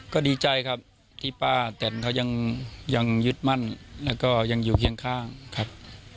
ก็ดีใจครับที่ป้าแตนเขายังยึดมั่นแล้วก็ยังอยู่เคียงข้างครับ